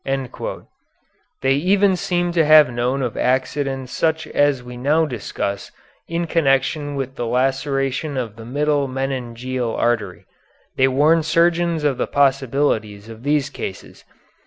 " They even seem to have known of accidents such as we now discuss in connection with the laceration of the middle meningeal artery. They warn surgeons of the possibilities of these cases.